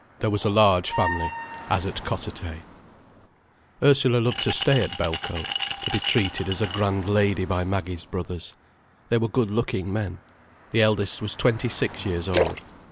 There was a large family, as at Cossethay. Ursula loved to stay at Belcote, to be treated as a grand lady by Maggie's brothers. They were good looking men. The eldest was twenty six years old.